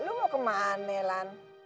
lo mau kemana lan